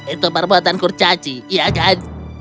itu perbuatan kurcaci iya kan